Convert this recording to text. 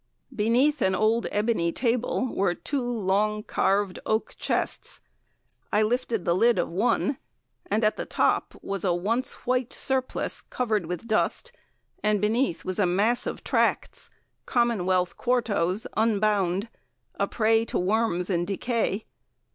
Beneath an old ebony table were two long carved oak chests. I lifted the lid of one, and at the top was a once white surplice covered with dust, and beneath was a mass of tracts Commonwealth quartos, unbound a prey to worms and decay.